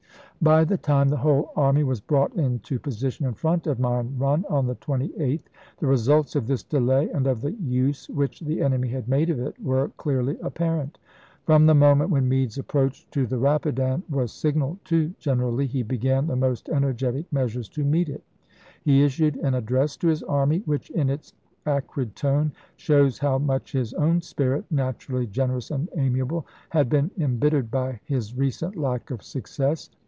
By the time the whole army was brought into position in front of Mine Eun, on the 28th, the results of this delay and of the use which the enemy had made of it were clearly apparent. From the moment when Meade's approach to the Eapidan was signaled to General Lee he began the most energetic measures to meet it. He issued an address to his army, which, in its acrid tone, shows how much his own spirit, naturally gener ous and amiable, had been embittered by his recent lack of success.